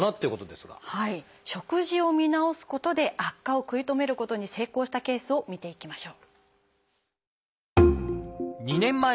食事を見直すことで悪化を食い止めることに成功したケースを見ていきましょう。